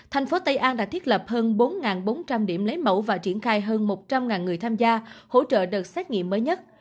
thành phố tây an đã thiết lập hơn bốn bốn trăm linh điểm lấy mẫu và triển khai hơn một trăm linh người tham gia hỗ trợ đợt xét nghiệm mới nhất